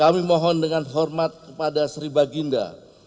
yang memohon dengan hormat kepada sri baginda